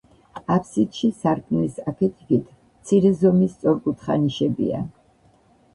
აფსიდში სარკმლის აქეთ-იქით მცირე ზომის სწორკუთხა ნიშებია.